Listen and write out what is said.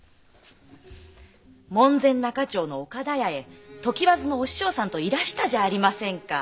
門前仲町の岡田屋へ常磐津のお師匠さんといらしたじゃありませんか。